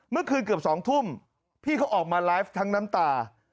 เมื่อคืนเกือบ๒ทุ่มพี่เขาออกมาไลฟ์ทั้งน้ำตา